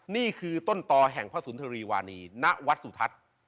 นี่คือต้นต่อแห่งพระสุนทรีวานีณวัดสุทัศน์